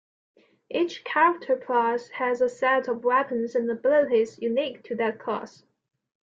Each character class has a set of weapons and abilities unique to that class.